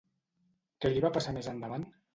Què li va passar més endavant?